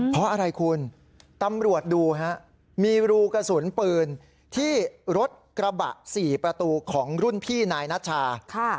เพราะอะไรคุณตำรวจดูฮะมีรูกระสุนปืนที่รถกระบะ๔ประตูของรุ่นพี่นายนัชชา